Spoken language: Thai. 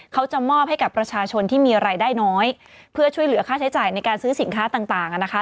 เขาจะมอบให้กับประชาชนที่มีรายได้น้อยเพื่อช่วยเหลือค่าใช้จ่ายในการซื้อสินค้าต่างอ่ะนะคะ